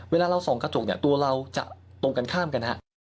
เวลาเราส่องกระจกเนี่ยตัวเราจะตรงกันข้ามกันฮะ